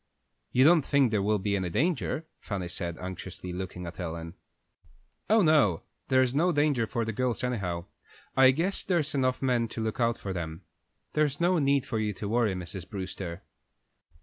"You don't think there will be any danger?" Fanny said, anxiously, looking at Ellen. "Oh no, there's no danger for the girls, anyhow. I guess there's enough men to look out for them. There's no need for you to worry, Mrs. Brewster."